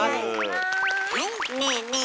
はいねえねえ